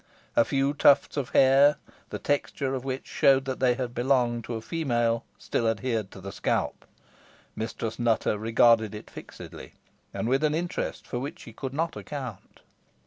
A few tufts of hair, the texture of which showed they had belonged to a female, still adhered to the scalp. Mistress Nutter regarded it fixedly, and with an interest for which she could not account.